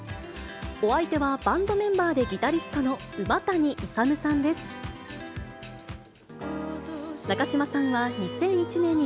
お相手は、バンドメンバーでギタリストの馬谷勇さんです。